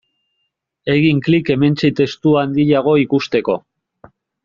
Egin klik hementxe testua handiago ikusteko.